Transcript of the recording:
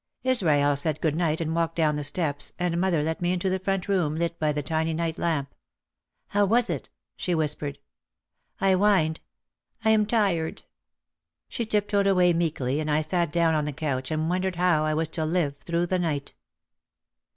Israel said good night and walked down the steps, and mother let me into the front room lit by the tiny night lamp. "How was it?" she whispered. I whined, "I am tired!" She tiptoed away meekly and I sat down on the couch and wondered how I was to live through the night.